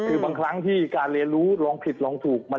คือบางครั้งที่การเรียนรู้ลองผิดลองถูก